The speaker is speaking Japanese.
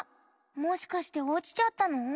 もしかしておちちゃったの？